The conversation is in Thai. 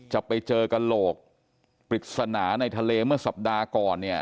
จะไปเจอกระโหลกปริศนาในทะเลเมื่อสัปดาห์ก่อนเนี่ย